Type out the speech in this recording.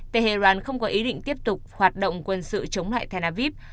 tehran không có ý định tiếp tục hoạt động quân sự chống lại tel aviv